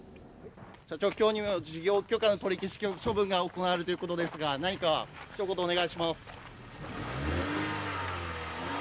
社長、今日には事業許可取り消しの処分が行われるということですが何かひと言お願いします。